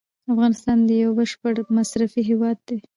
افغانستان یو بشپړ مصرفي هیواد دی.